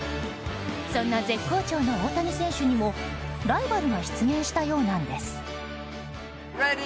そんな絶好調の大谷選手にもライバルが出現したようなんです。